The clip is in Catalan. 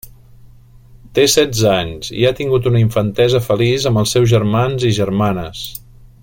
Té setze anys i ha tingut una infantesa feliç amb els seus germans i germanes.